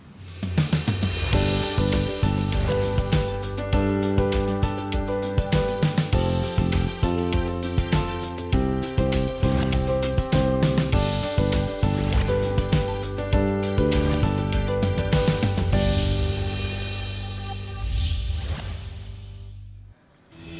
kita harus mengikuti kekuatan kita